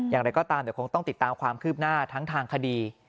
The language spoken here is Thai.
อย่างไรก็ตามเดี๋ยวคงต้องติดตามความคืบหน้าทั้งทางคดี